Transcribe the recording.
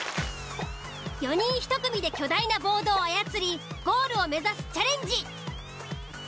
４人１組で巨大なボードを操りゴールを目指すチャレンジ。